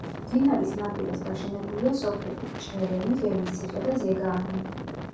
მდინარის ნაპირას გაშენებულია სოფლები: ჭერემი, ველისციხე და ზეგაანი.